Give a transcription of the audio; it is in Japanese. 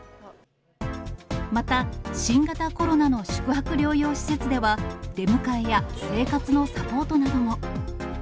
また、新型コロナの宿泊療養施設では、出迎えや生活のサポートなども。